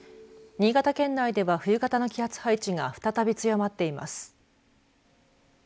新潟県内では冬型の気圧配置が再び強まっています。